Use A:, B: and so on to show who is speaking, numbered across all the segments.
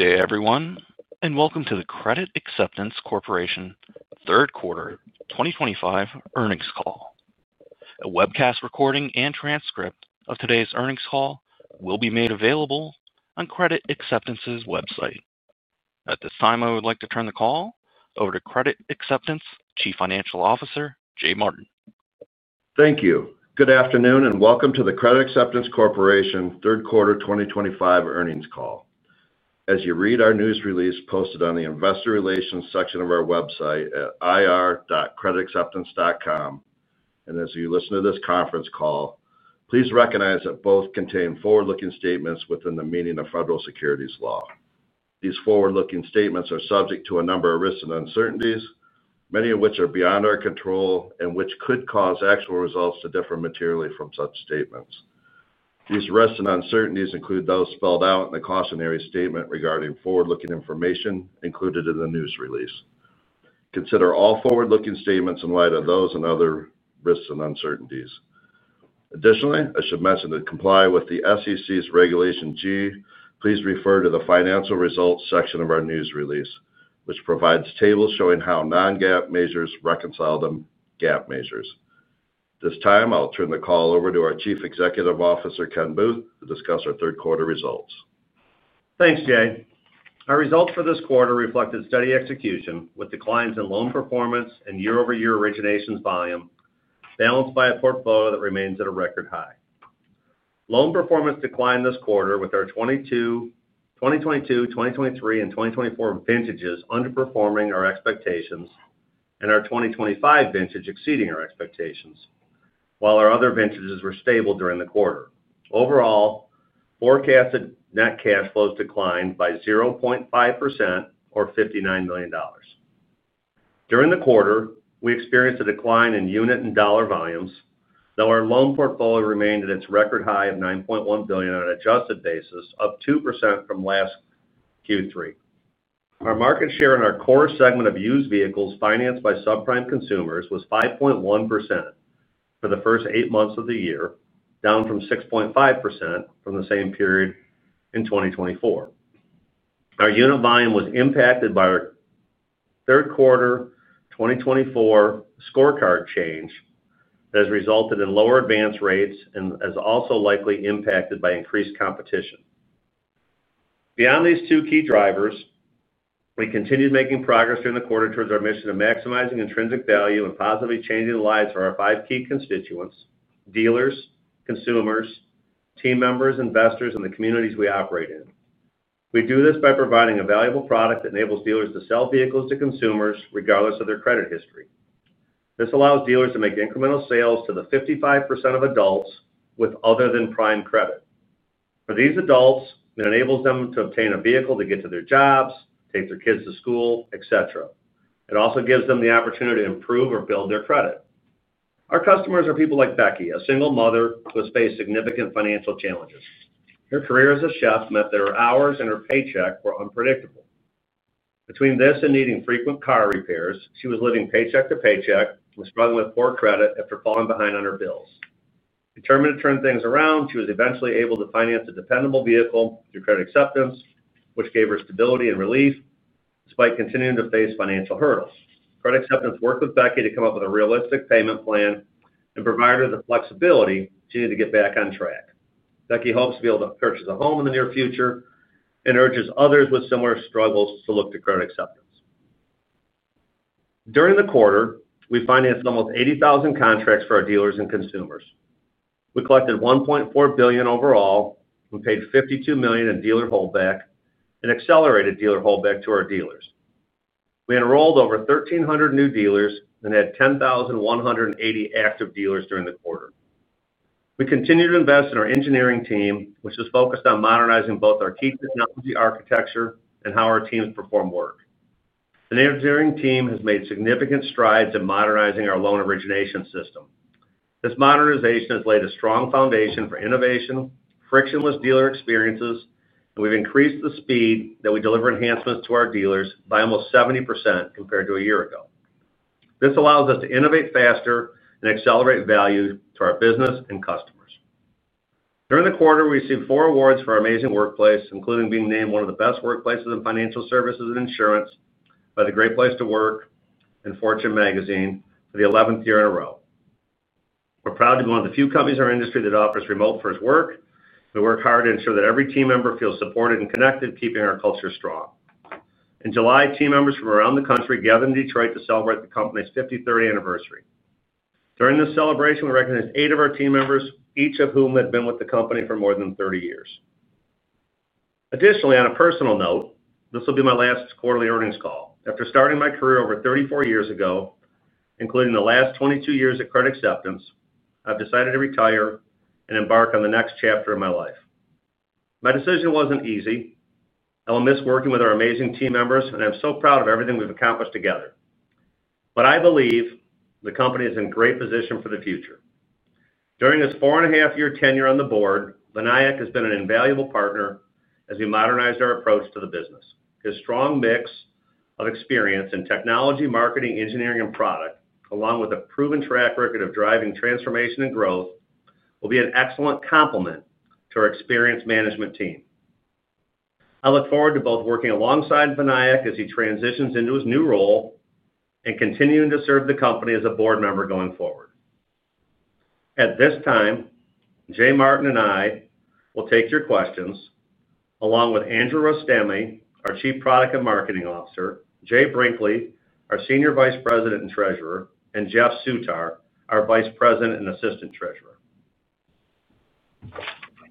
A: Good day, everyone, and welcome to the Credit Acceptance Corporation third quarter 2025 earnings call. A webcast recording and transcript of today's earnings call will be made available on Credit Acceptance's website. At this time, I would like to turn the call over to Credit Acceptance Chief Financial Officer, Jay Martin.
B: Thank you. Good afternoon and welcome to the Credit Acceptance Corporation third quarter 2025 earnings call. As you read our news release posted on the investor relations section of our website at ir.creditacceptance.com, and as you listen to this conference call, please recognize that both contain forward-looking statements within the meaning of federal securities law. These forward-looking statements are subject to a number of risks and uncertainties, many of which are beyond our control and which could cause actual results to differ materially from such statements. These risks and uncertainties include those spelled out in the cautionary statement regarding forward-looking information included in the news release. Consider all forward-looking statements in light of those and other risks and uncertainties. Additionally, I should mention that to comply with the SEC's Regulation G, please refer to the financial results section of our news release, which provides tables showing how non-GAAP measures reconcile them with GAAP measures. At this time, I'll turn the call over to our Chief Executive Officer, Ken Booth, to discuss our third quarter results.
C: Thanks, Jay. Our results for this quarter reflected steady execution with declines in loan performance and year-over-year originations volume, balanced by a portfolio that remains at a record high. Loan performance declined this quarter with our 2022, 2023, and 2024 vintages underperforming our expectations and our 2025 vintage exceeding our expectations, while our other vintages were stable during the quarter. Overall, forecasted net cash flows declined by 0.5%, or $59 million. During the quarter, we experienced a decline in unit and dollar volumes, though our loan portfolio remained at its record high of $9.1 billion on an adjusted basis, up 2% from last Q3. Our market share in our core segment of used vehicles financed by subprime consumers was 5.1% for the first eight months of the year, down from 6.5% from the same period in 2024. Our unit volume was impacted by our third quarter 2024 scorecard change that has resulted in lower advance rates and is also likely impacted by increased competition. Beyond these two key drivers, we continued making progress during the quarter towards our mission of maximizing intrinsic value and positively changing the lives of our five key constituents: dealers, consumers, team members, investors, and the communities we operate in. We do this by providing a valuable product that enables dealers to sell vehicles to consumers regardless of their credit history. This allows dealers to make incremental sales to the 55% of adults with other-than-prime credit. For these adults, it enables them to obtain a vehicle to get to their jobs, take their kids to school, etc. It also gives them the opportunity to improve or build their credit. Our customers are people like Becky, a single mother who has faced significant financial challenges. Her career as a chef meant that her hours and her paycheck were unpredictable. Between this and needing frequent car repairs, she was living paycheck to paycheck and was struggling with poor credit after falling behind on her bills. Determined to turn things around, she was eventually able to finance a dependable vehicle through Credit Acceptance, which gave her stability and relief despite continuing to face financial hurdles. Credit Acceptance worked with Becky to come up with a realistic payment plan and provided her the flexibility she needed to get back on track. Becky hopes to be able to purchase a home in the near future and urges others with similar struggles to look to Credit Acceptance. During the quarter, we financed almost 80,000 contracts for our dealers and consumers. We collected $1.4 billion overall and paid $52 million in dealer holdback and accelerated dealer holdback to our dealers. We enrolled over 1,300 new dealers and had 10,180 active dealers during the quarter. We continue to invest in our engineering team, which is focused on modernizing both our key technology architecture and how our teams perform work. The engineering team has made significant strides in modernizing our loan origination system. This modernization has laid a strong foundation for innovation, frictionless dealer experiences, and we've increased the speed that we deliver enhancements to our dealers by almost 70% compared to a year ago. This allows us to innovate faster and accelerate value to our business and customers. During the quarter, we received four awards for our amazing workplace, including being named one of the best workplaces in financial services and insurance by The Great Place to Work and Fortune Magazine for the 11th year in a row. We're proud to be one of the few companies in our industry that offers remote-first work. We work hard to ensure that every team member feels supported and connected, keeping our culture strong. In July, team members from around the country gathered in Detroit to celebrate the company's 53rd anniversary. During this celebration, we recognized eight of our team members, each of whom had been with the company for more than 30 years. Additionally, on a personal note, this will be my last quarterly earnings call. After starting my career over 34 years ago, including the last 22 years at Credit Acceptance, I've decided to retire and embark on the next chapter of my life. My decision wasn't easy. I will miss working with our amazing team members, and I'm so proud of everything we've accomplished together. I believe the company is in great position for the future. During his four-and-a-half-year tenure on the board, Vinayak has been an invaluable partner as we modernized our approach to the business. His strong mix of experience in technology, marketing, engineering, and product, along with a proven track record of driving transformation and growth, will be an excellent complement to our experienced management team. I look forward to both working alongside Vinayak as he transitions into his new role and continuing to serve the company as a board member going forward. At this time, Jay Martin and I will take your questions, along with Andrew Rostami, our Chief Product and Marketing Officer, Jay Brinkley, our Senior Vice President and Treasurer, and Jeff Sutar, our Vice President and Assistant Treasurer.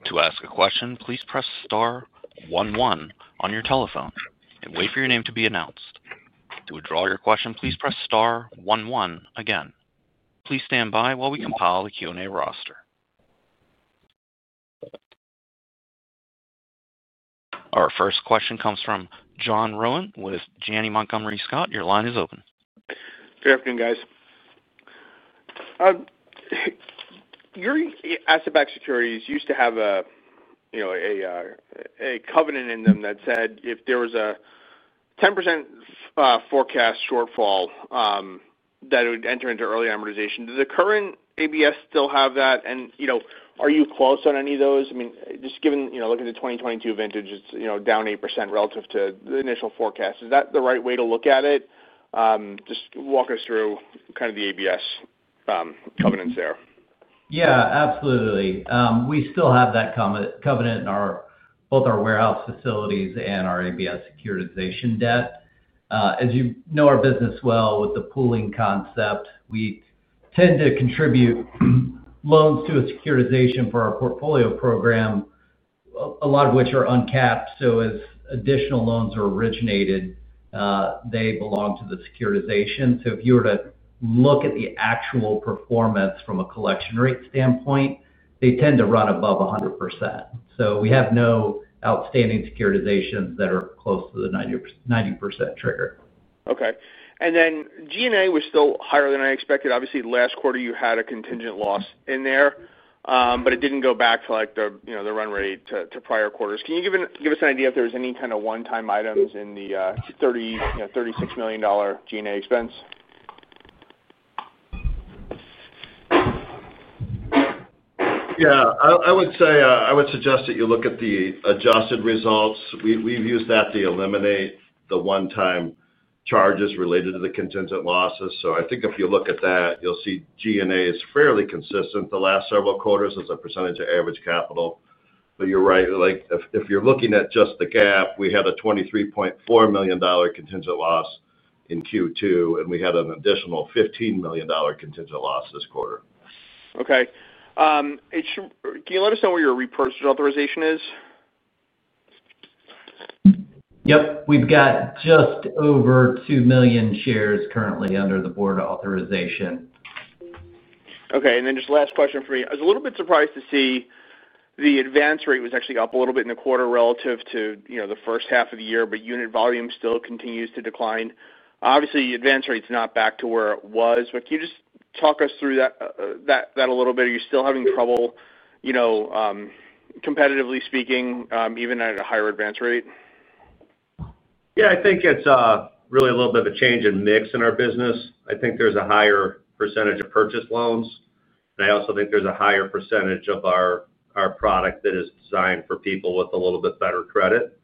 A: To ask a question, please press star one one on your telephone and wait for your name to be announced. To withdraw your question, please press star one one again. Please stand by while we compile the Q&A roster. Our first question comes from John Rowan with Janney Montgomery Scott. Your line is open.
D: Good afternoon, guys. Your asset-backed securities used to have a covenant in them that said if there was a 10% forecast shortfall, that it would enter into early amortization. Does the current ABS still have that, and are you close on any of those? I mean, just looking at the 2022 vintage, it's down 8% relative to the initial forecast. Is that the right way to look at it? Just walk us through kind of the ABS covenants there.
C: Yeah, absolutely. We still have that covenant in both our warehouse facilities and our ABS securitization debt. As you know our business well with the pooling concept, we tend to contribute loans to a securitization for our Portfolio Program, a lot of which are uncapped. As additional loans are originated, they belong to the securitization. If you were to look at the actual performance from a collection rate standpoint, they tend to run above 100%. We have no outstanding securitizations that are close to the 90% trigger.
D: Okay. G&A was still higher than I expected. Obviously, last quarter you had a contingent legal loss in there, but it didn't go back to the run rate of prior quarters. Can you give us an idea if there was any kind of one-time items in the $36 million G&A expense?
B: Yeah. I would suggest that you look at the adjusted results. We've used that to eliminate the one-time charges related to the contingent legal losses. I think if you look at that, you'll see G&A is fairly consistent the last several quarters as a percentage of average capital. You're right, if you're looking at just the GAAP, we had a $23.4 million contingent legal loss in Q2, and we had an additional $15 million contingent legal loss this quarter.
D: Okay. Can you let us know what your share repurchase authorization is?
C: Yep. We've got just over 2 million shares currently under the board authorization.
D: Okay. Just last question for you. I was a little bit surprised to see the advance rate was actually up a little bit in the quarter relative to the first half of the year, but unit volume still continues to decline. Obviously, the advance rate's not back to where it was. Can you just talk us through that a little bit? Are you still having trouble, competitively speaking, even at a higher advance rate?
B: I think it's really a little bit of a change in mix in our business. I think there's a higher % of purchased loans. I also think there's a higher % of our product that is designed for people with a little bit better credit.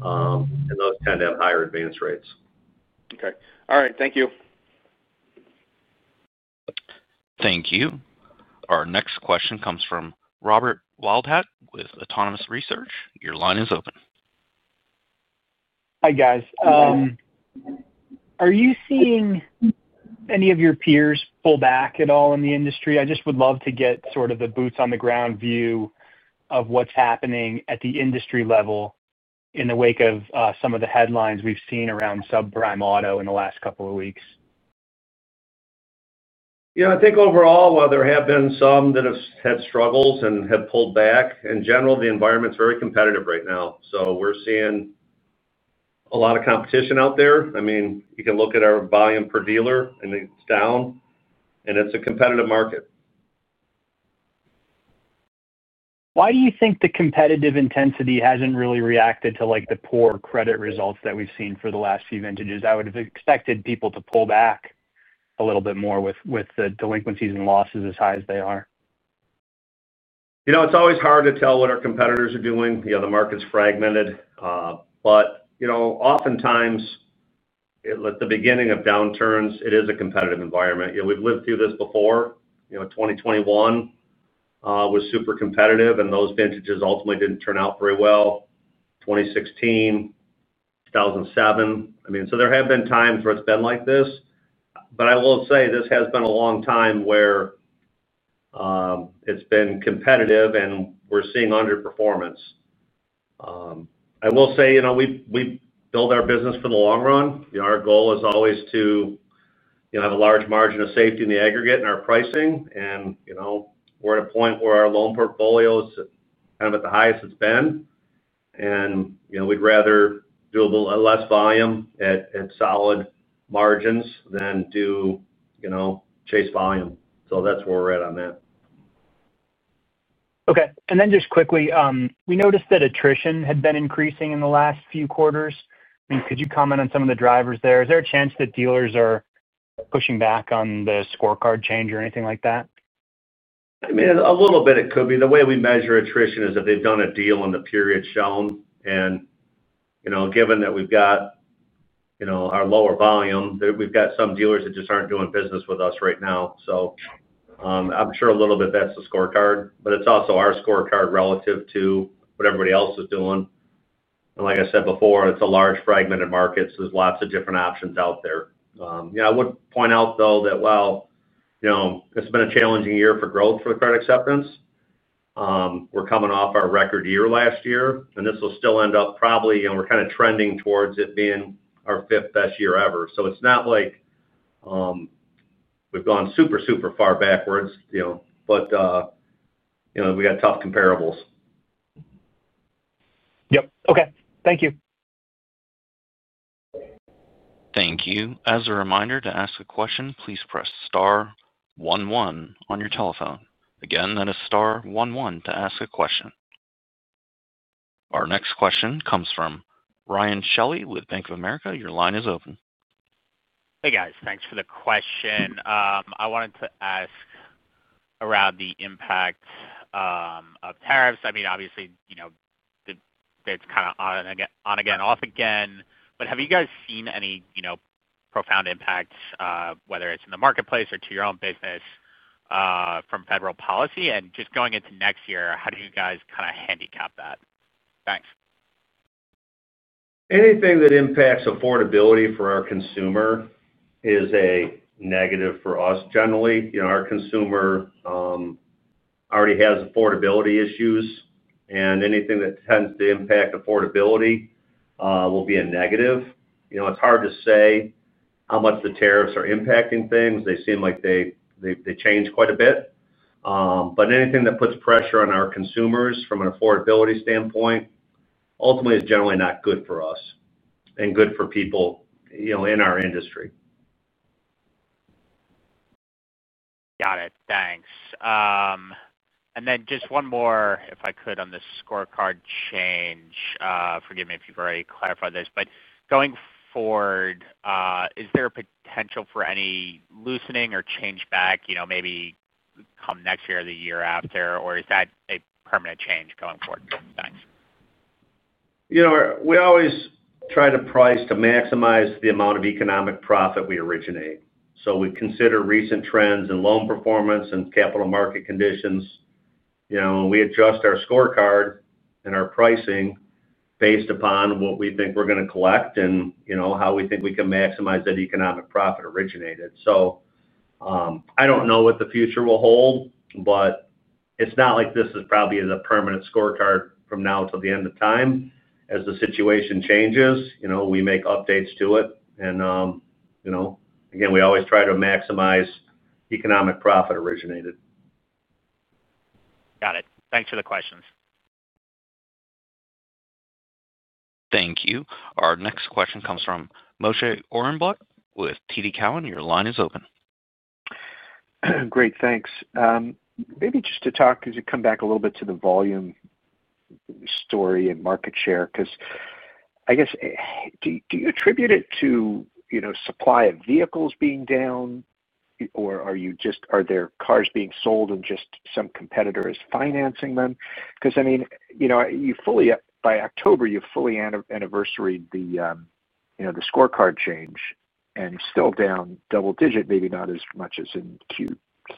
B: Those tend to have higher advance rates.
D: Okay. All right. Thank you.
A: Thank you. Our next question comes from Robert Wildhack with Autonomous Research. Your line is open.
E: Hi, guys. Are you seeing any of your peers pull back at all in the industry? I just would love to get sort of the boots-on-the-ground view of what's happening at the industry level in the wake of some of the headlines we've seen around subprime auto in the last couple of weeks.
B: I think overall, while there have been some that have had struggles and have pulled back, in general, the environment's very competitive right now. We're seeing a lot of competition out there. You can look at our volume per dealer, and it's down. It's a competitive market.
E: Why do you think the competitive intensity hasn't really reacted to the poor credit results that we've seen for the last few vintages? I would have expected people to pull back a little bit more with the delinquencies and losses as high as they are.
B: It's always hard to tell what our competitors are doing. The market's fragmented. Oftentimes, at the beginning of downturns, it is a competitive environment. We've lived through this before. 2021 was super competitive, and those vintages ultimately didn't turn out very well. 2016, 2007, I mean, there have been times where it's been like this. I will say this has been a long time where it's been competitive, and we're seeing underperformance. I will say we build our business for the long run. Our goal is always to have a large margin of safety in the aggregate in our pricing. We're at a point where our loan portfolio is kind of at the highest it's been, and we'd rather do a little less volume at solid margins than chase volume. That's where we're at on that.
E: Okay. Just quickly, we noticed that attrition had been increasing in the last few quarters. Could you comment on some of the drivers there? Is there a chance that dealers are pushing back on the scorecard change or anything like that?
B: It could be a little bit. The way we measure attrition is if they've done a deal in the period shown. Given that we've got our lower volume, we've got some dealers that just aren't doing business with us right now. I'm sure a little bit that's the scorecard, but it's also our scorecard relative to what everybody else is doing. Like I said before, it's a large fragmented market, so there's lots of different options out there. I would point out, though, that while it's been a challenging year for growth for Credit Acceptance, we're coming off our record year last year, and this will still end up probably we're kind of trending towards it being our fifth best year ever. It's not like we've gone super, super far backwards. We've got tough comparables.
E: Yep, okay. Thank you.
A: Thank you. As a reminder, to ask a question, please press star one one on your telephone. Again, that is star one one to ask a question. Our next question comes from Ryan Shelley with Bank of America. Your line is open.
F: Hey, guys. Thanks for the question. I wanted to ask around the impact of tariffs. I mean, obviously, it's kind of on again, off again. Have you guys seen any profound impact, whether it's in the marketplace or to your own business from federal policy? Just going into next year, how do you guys kind of handicap that? Thanks.
B: Anything that impacts affordability for our consumer is a negative for us generally. Our consumer already has affordability issues, and anything that tends to impact affordability will be a negative. It's hard to say how much the tariffs are impacting things. They seem like they change quite a bit. Anything that puts pressure on our consumers from an affordability standpoint ultimately is generally not good for us and good for people in our industry.
F: Got it. Thanks. Just one more, if I could, on this scorecard change. Forgive me if you've already clarified this. Going forward, is there a potential for any loosening or change back, maybe come next year or the year after, or is that a permanent change going forward? Thanks.
B: We always try to price to maximize the amount of economic profit we originate. We consider recent trends in loan performance and capital market conditions. We adjust our scorecard and our pricing based upon what we think we're going to collect and how we think we can maximize that economic profit originated. I don't know what the future will hold. It's not like this is probably the permanent scorecard from now until the end of time. As the situation changes, we make updates to it. We always try to maximize economic profit originated.
F: Got it. Thanks for the questions.
A: Thank you. Our next question comes from Moshe Orenbuch with TD Cowen. Your line is open.
G: Great, thanks. Maybe just to come back a little bit to the volume story and market share, because I guess, do you attribute it to supply of vehicles being down, or are there cars being sold and just some competitor is financing them? By October, you fully anniversary the scorecard change and still down double-digit, maybe not as much as in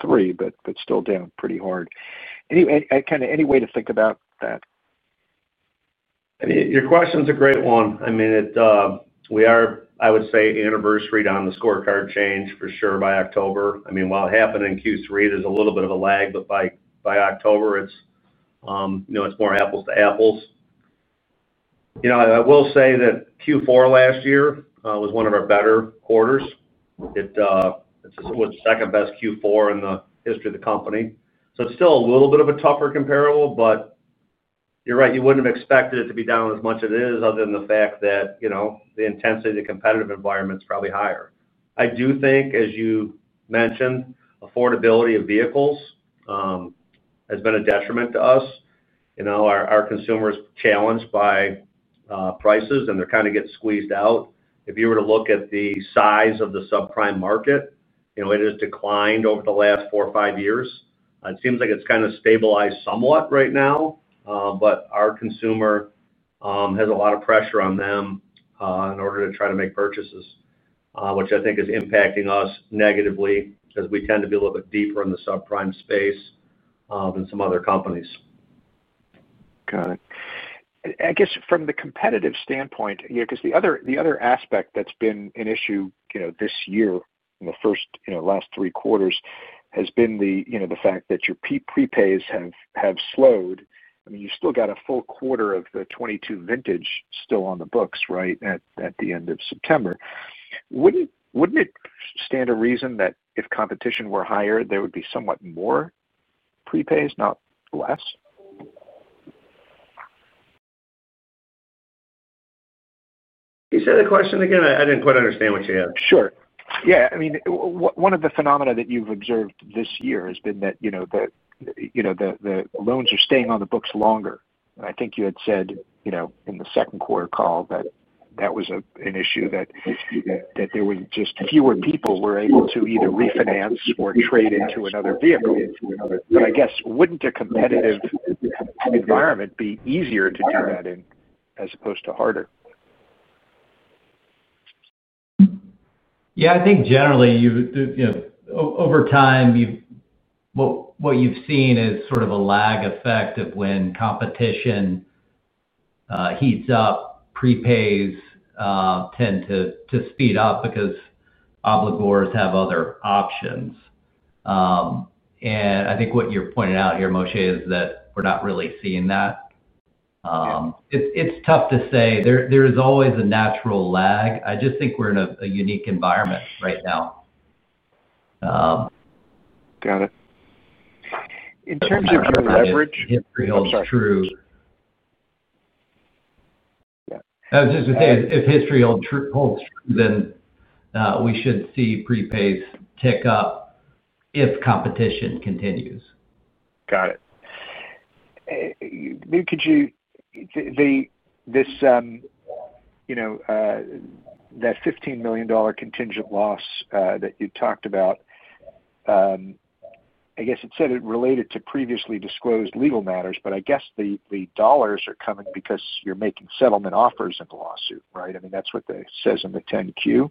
G: Q3, but still down pretty hard. Any way to think about that?
B: Your question's a great one. We are, I would say, anniversary on the scorecard change for sure by October. While it happened in Q3, there's a little bit of a lag, but by October, it's more apples to apples. I will say that Q4 last year was one of our better quarters. It was the second best Q4 in the history of the company, so it's still a little bit of a tougher comparable. You're right, you wouldn't have expected it to be down as much as it is other than the fact that the intensity of the competitive environment's probably higher. I do think, as you mentioned, affordability of vehicles has been a detriment to us. Our consumer is challenged by prices, and they're kind of getting squeezed out. If you were to look at the size of the subprime market, it has declined over the last four or five years. It seems like it's kind of stabilized somewhat right now, but our consumer has a lot of pressure on them in order to try to make purchases, which I think is impacting us negatively because we tend to be a little bit deeper in the subprime space than some other companies.
G: Got it. I guess from the competitive standpoint, because the other aspect that's been an issue this year, the first last three quarters, has been the fact that your prepays have slowed. I mean, you still got a full quarter of the 2022 vintage still on the books, right, at the end of September. Wouldn't it stand to reason that if competition were higher, there would be somewhat more prepays, not less?
B: Can you say the question again? I didn't quite understand what you had.
G: Sure. Yeah. I mean, one of the phenomena that you've observed this year has been that the loans are staying on the books longer. I think you had said in the second quarter call that that was an issue, that there were just fewer people who were able to either refinance or trade into another vehicle. I guess, wouldn't a competitive environment be easier to turn that in as opposed to harder?
C: Yeah. I think generally, over time, what you've seen is sort of a lag effect of when competition heats up, prepays tend to speed up because obligors have other options. I think what you're pointing out here, Moshe, is that we're not really seeing that. It's tough to say. There is always a natural lag. I just think we're in a unique environment right now.
G: Got it. In terms of your leverage.
C: If history holds true.
B: I was just going to say, if history holds true, we should see prepays tick up if competition continues.
G: Got it. Could you, this $15 million contingent loss that you talked about, I guess it said it related to previously disclosed legal matters. I guess the dollars are coming because you're making settlement offers in the lawsuit, right? I mean, that's what it says in the 10-Q,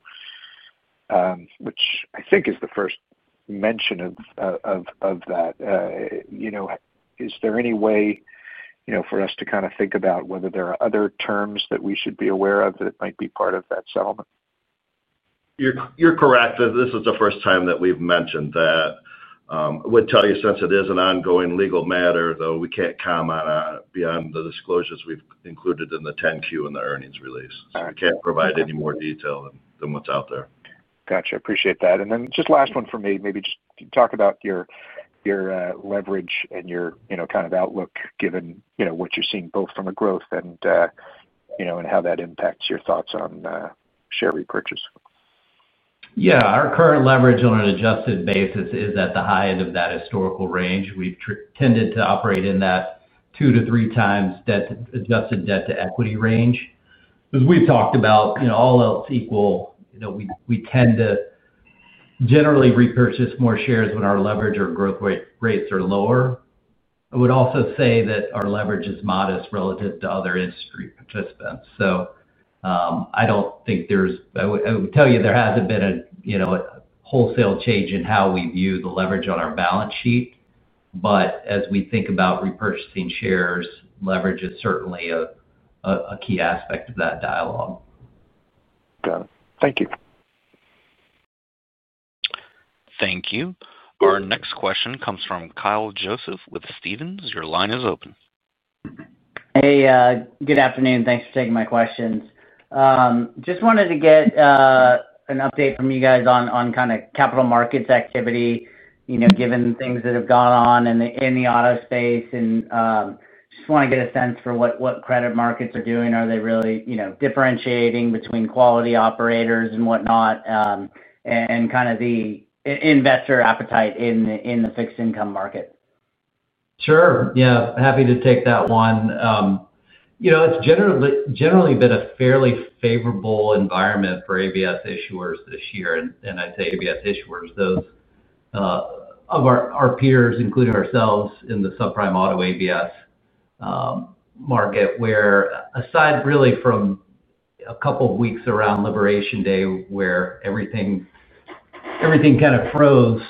G: which I think is the first mention of that. Is there any way for us to kind of think about whether there are other terms that we should be aware of that might be part of that settlement?
B: You're correct. This is the first time that we've mentioned that. I would tell you since it is an ongoing legal matter, we can't comment on it beyond the disclosures we've included in the 10-Q and the earnings release. We can't provide any more detail than what's out there.
G: Gotcha. Appreciate that. Just last one for me. Maybe just talk about your leverage and your kind of outlook given what you're seeing both from a growth and how that impacts your thoughts on share repurchase.
C: Yeah. Our current leverage on an adjusted basis is at the high end of that historical range. We've tended to operate in that two to three times adjusted debt to equity range. As we've talked about, all else equal, we tend to generally repurchase more shares when our leverage or growth rates are lower. I would also say that our leverage is modest relative to other industry participants. I don't think there has been a wholesale change in how we view the leverage on our balance sheet. As we think about repurchasing shares, leverage is certainly a key aspect of that dialogue.
G: Got it. Thank you.
A: Thank you. Our next question comes from Kyle Joseph with Stephens. Your line is open.
H: Good afternoon. Thanks for taking my questions. I just wanted to get an update from you guys on capital markets activity, given things that have gone on in the auto space. I want to get a sense for what credit markets are doing. Are they really differentiating between quality operators and whatnot, and the investor appetite in the fixed income market?
C: Sure. Yeah. Happy to take that one. It's generally been a fairly favorable environment for ABS issuers this year. I say ABS issuers, those of our peers, including ourselves in the subprime auto ABS market, where aside really from a couple of weeks around Liberation Day where everything kind of froze,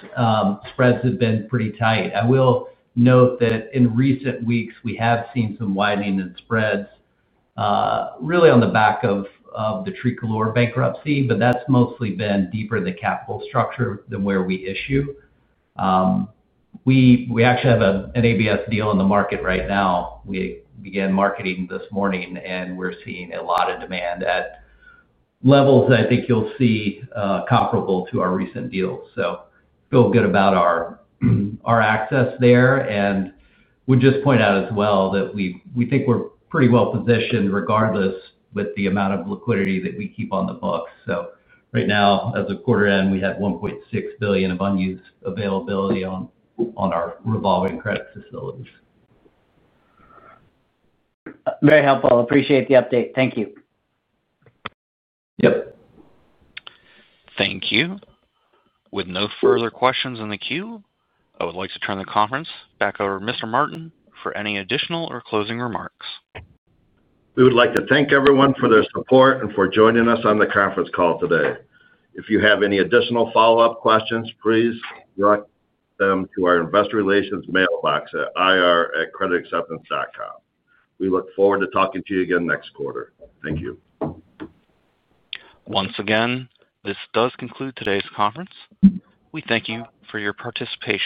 C: spreads have been pretty tight. I will note that in recent weeks, we have seen some widening in spreads, really on the back of the Treacleur bankruptcy, but that's mostly been deeper in the capital structure than where we issue. We actually have an ABS deal in the market right now. We began marketing this morning, and we're seeing a lot of demand at levels that I think you'll see comparable to our recent deals. Feel good about our access there, and would just point out as well that we think we're pretty well positioned regardless with the amount of liquidity that we keep on the books. Right now, as of quarter end, we have $1.6 billion of unused availability on our revolving credit facilities.
H: Very helpful. Appreciate the update. Thank you.
A: Thank you. With no further questions in the queue, I would like to turn the conference back over to Mr. Martin for any additional or closing remarks.
B: We would like to thank everyone for their support and for joining us on the conference call today. If you have any additional follow-up questions, please direct them to our investor relations mailbox at ir@creditacceptance.com. We look forward to talking to you again next quarter. Thank you.
A: Once again, this does conclude today's conference. We thank you for your participation.